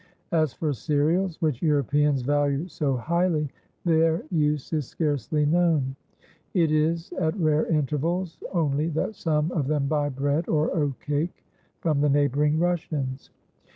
As for cereals, which Europeans value so highly, their use is scarcely known; it is at rare intervals only that some of them buy bread or oatcake from the neighbouring Russians.